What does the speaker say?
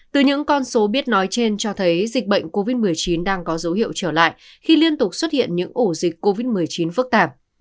từ những con số biết nói trên cho thấy dịch bệnh covid một mươi chín đang có dấu hiệu trở lại khi liên tục xuất hiện những ổ dịch covid một mươi chín phức tạp